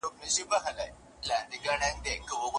په تقوا به وي مشهور په ولایت کي